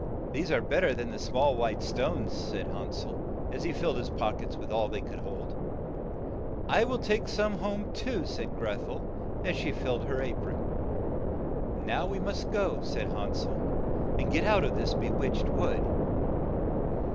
"These are bet ter than the small white stones," said Han sel, as he filled his pock ets with all that they could hold. "I will take some home too," said Greth el, as she filled her a pron. HANSEL AND GRETHEL 11 "Now we must go," said Hansel, "and get out of this be witched wood."